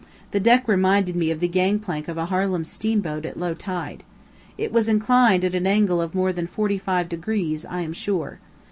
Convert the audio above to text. The deck reminded me of the gang plank of a Harlem steamboat at low tide. It was inclined at an angle of more than forty five degrees, I am sure.